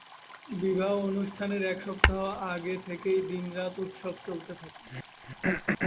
বিবাহ অনুষ্ঠানের এক সপ্তাহ আগে থেকেই দিন-রাত উৎসব চলতে থাকে।